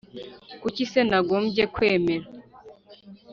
Kuki se nagombye kwemera